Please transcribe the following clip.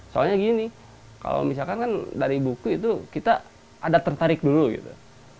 soalnya gini kalau misalkan kan dari buku itu kita ada tertarik dulu gitu